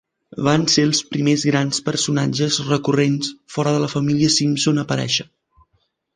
Van ser els primers grans personatges recurrents fora de la família Simpson a aparèixer.